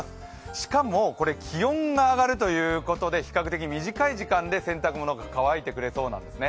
しかも気温が上がるということで比較的短い時間で洗濯物が乾いてくれそうなんですね。